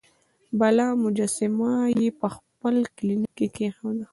بله مجسمه یې په خپل کلینیک کې کیښوده.